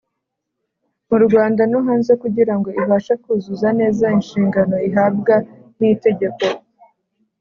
mu Rwanda no hanze kugira ngo ibashe kuzuza neza inshingano ihabwa n itegeko